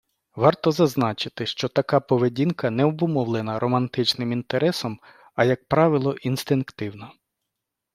Варто зазначити, що така поведінка не обумовлена романтичним інтересом, а, як правило, інстинктивна.